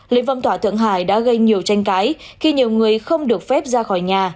lệnh phong tỏa tượng hải đã gây nhiều tranh cãi khi nhiều người không được phép ra khỏi nhà